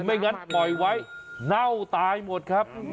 ไม่งั้นปล่อยไว้เน่าตายหมดครับ